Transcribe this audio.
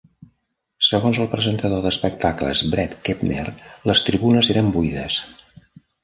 Segons el presentador d'espectacles Bret Kepner, les tribunes eren buides.